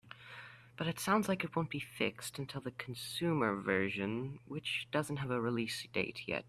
But it sounds like it won't be fixed until the consumer version, which doesn't have a release date yet.